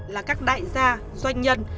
là các đại gia doanh nhân